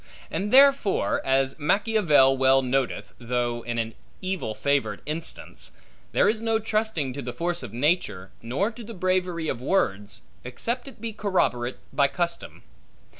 And therefore, as Machiavel well noteth (though in an evil favored instance), there is no trusting to the force of nature, nor to the bravery of words, except it be corroborate by custom.